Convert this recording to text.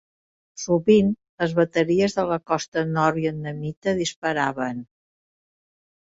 Sovint, les bateries de la costa nord vietnamita disparaven.